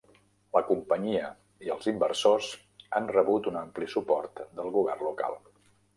La companyia i els inversors han rebut un ampli suport del govern local.